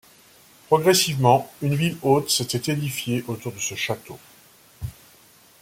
Progressivement, une ville haute s'était édifiée autour de ce château.